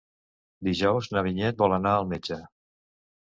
Dijous na Vinyet vol anar al metge.